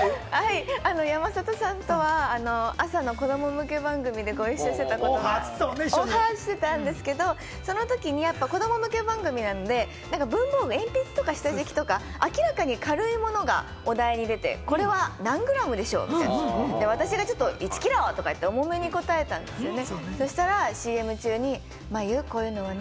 山里さんとは、朝の子ども向け番組でご一緒していたことがあって、「おは！」してたんですけれども、そのときに子ども向け番組なので、文房具、鉛筆とか下敷きとか、明らかに軽いものがお題に出て、これは何グラムでしょう？みたいな、私がちょっと「１キロ！」とか重めに答えたんですね。